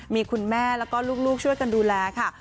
มีคุณแม่แล้วก็ลูกช่วยกันดูแลค่ะ